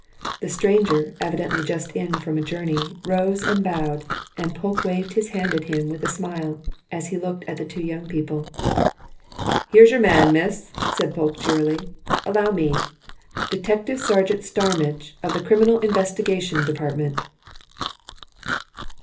The stranger, evidently just in from a journey, rose and bowed, and Polke waved his hand at him with a smile, as he looked at the two young people. "Here's your man, miss!" said Polke cheerily. "Allow me Detective Sergeant Starmidge, of the Criminal Investigation Department."